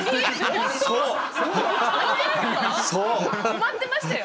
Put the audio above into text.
止まってましたよ。